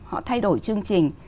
họ thay đổi chương trình